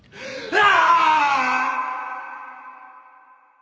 あ！